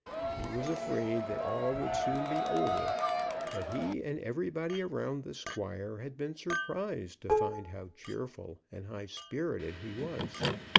He was afraid that all would soon be over; but he and everybody around the squire had been surprised to find how cheerful and high spirited he was.